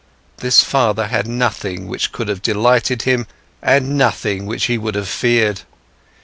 This father had nothing which would have delighted him and nothing which he would have feared.